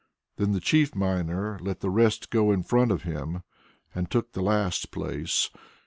Then the chief miner let the rest go in front of him and took the last place.